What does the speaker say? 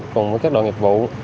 cùng với các đội nghiệp vụ